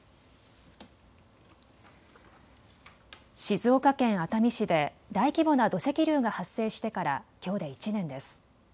静岡県熱海市で大規模な土石流が発生してから、きょうで１年です。